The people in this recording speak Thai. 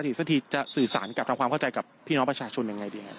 เจ้าหน้าที่จะสื่อสารกับทำความเข้าใจกับพี่น้องประชาชนอย่างไรดี